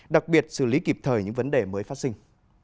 đặc biệt xử lý kịp thời những vấn đề mới phát sinh